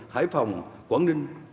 hải phòng quảng ninh